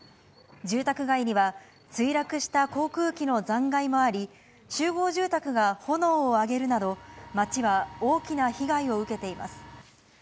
住宅街には墜落した航空機の残骸もあり、集合住宅が炎を上げるなど、街は大きな被害を受けています。